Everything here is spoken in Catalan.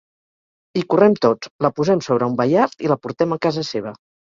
Hi correm tots, la posem sobre un baiard i la portem a casa seva…